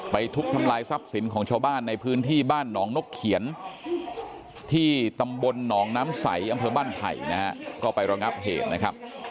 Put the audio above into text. ทุบทำลายทรัพย์สินของชาวบ้านในพื้นที่บ้านหนองนกเขียนที่ตำบลหนองน้ำใสอำเภอบ้านไผ่นะฮะก็ไประงับเหตุนะครับ